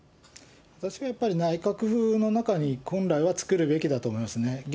私はやっぱり、内閣府の中に本来は作るべきと思いますね。